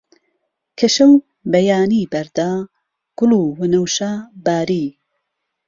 کە شەو بەیانی بەردا، گوڵ و وەنەوشە باری